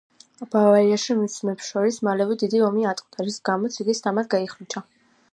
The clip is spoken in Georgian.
ბავარიაში მის ძმებს შორის მალევე დიდი ომი ატყდა, რის გამოც იგი სამად გაიხლიჩა.